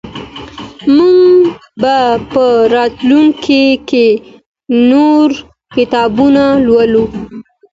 موږ به په راتلونکي کي نور کتابونه ولولو.